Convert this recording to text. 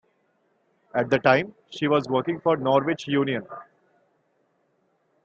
At the time she was working for Norwich Union.